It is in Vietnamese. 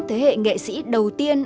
thế hệ nghệ sĩ đầu tiên